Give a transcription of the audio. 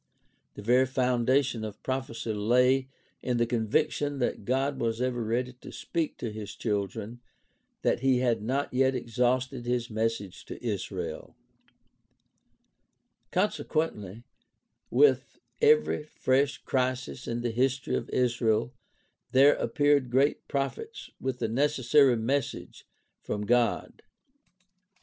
The very foundation of prophecy lay in the conviction that God was ever ready to speak to his children, that he had not yet exhausted his message to Israel. Consequently, with every fresh crisis in the history of Israel there appeared great OLD TESTAMENT AND l^ELIGION OF ISRAEL 153 prophets with the necessary message from God.